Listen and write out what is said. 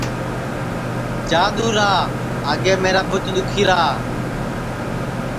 جا دؔورا آگے میرا بُوت دُؔکھیرا